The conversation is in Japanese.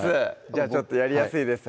じゃあちょっとやりやすいです